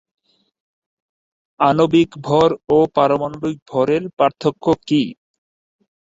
আণবিক ভর ও পারমাণবিক ভরের পার্থক্য কী?